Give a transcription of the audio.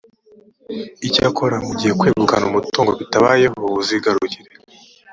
icyakora mu gihe kwegukana umutungo bitabayeho uzigarukire